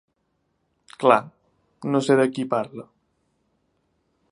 És clar, no sé de qui parla.